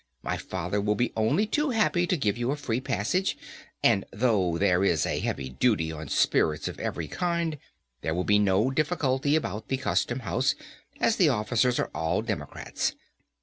My father will be only too happy to give you a free passage, and though there is a heavy duty on spirits of every kind, there will be no difficulty about the Custom House, as the officers are all Democrats.